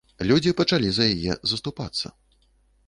Людзі пачалі за яе заступацца.